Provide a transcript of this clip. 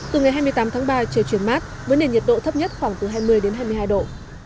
từ ngày hai mươi tám tháng ba trời chuyển mát với nền nhiệt độ thấp nhất khoảng từ hai mươi đến hai mươi hai độ